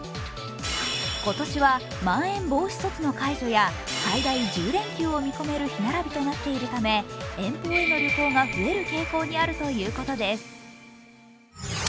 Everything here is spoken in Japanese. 今年はまん延防止措置の解除や最大１０連休を見込める日並びとなっているため遠方への旅行が増える傾向にあるということです。